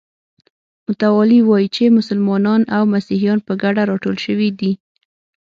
متوالي وایي چې مسلمانان او مسیحیان په ګډه راټول شوي دي.